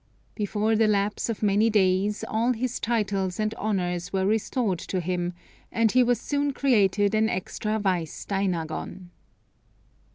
Before the lapse of many days all his titles and honors were restored to him, and he was soon created an extra Vice Dainagon.